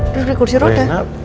duduk di kursi roda